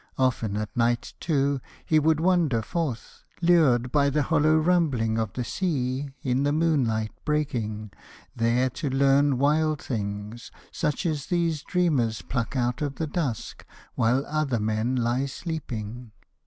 Often at night, too, he would wander forth, Lured by the hollow rumbling of the sea In moonlight breaking, there to learn wild things, Such as these dreamers pluck out of the dusk While other men lie sleeping.